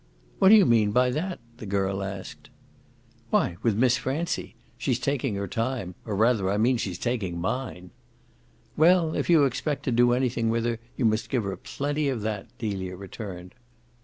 "What do you mean by that?" the girl asked. "Why with Miss Francie. She's taking her time, or rather, I mean, she's taking mine." "Well, if you expect to do anything with her you must give her plenty of that," Delia returned.